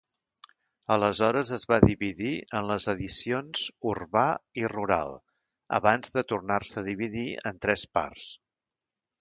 Aleshores es va dividir en les edicions Urbà i Rural, abans de tornar-se a dividir en tres parts.